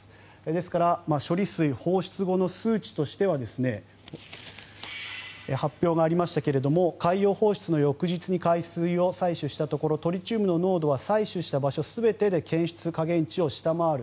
ですから処理水放出後の数値としては発表がありましたが海洋放出の翌日に海水を採取したところトリチウムの濃度は採取した場所全てで検出下限値を下回る。